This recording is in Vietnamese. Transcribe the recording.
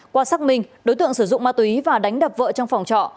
qua xác minh đối tượng sử dụng ma túy và đánh đập vợ trong phòng trọ